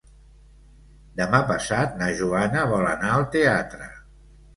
Demà passat na Joana vol anar al teatre.